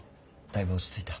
だいぶ落ち着いた？